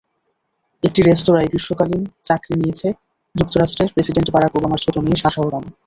একটি রেস্তোরাঁয় গ্রীষ্মকালীন চাকরি নিয়েছে যুক্তরাষ্ট্রের প্রেসিডেন্ট বারাক ওবামার ছোট মেয়ে সাশা ওবামা।